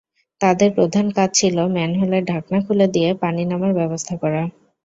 তাঁদের প্রধান কাজ ছিল ম্যানহোলের ঢাকনা খুলে দিয়ে পানি নামার ব্যবস্থা করা।